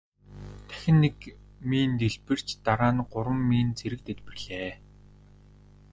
Дахин нэг мин дэлбэрч дараа нь гурван мин зэрэг дэлбэрлээ.